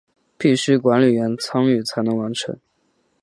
必须管理员参与才能完成。